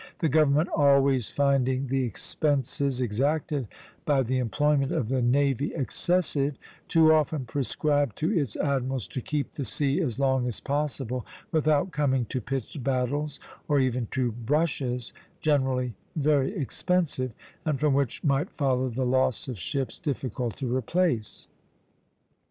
The government, always finding the expenses exacted by the employment of the navy excessive, too often prescribed to its admirals to keep the sea as long as possible without coming to pitched battles, or even to brushes, generally very expensive, and from which might follow the loss of ships difficult to replace.